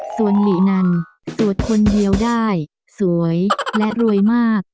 ส่วนหลินันสวดคนเดียวได้สวยและรวยมาก